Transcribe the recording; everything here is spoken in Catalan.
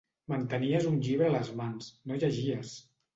Mantenies un llibre a les mans... no llegies!